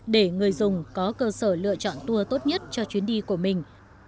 để người dùng có cơ sở lựa chọn tour tốt nhất cho chuyến đi của mình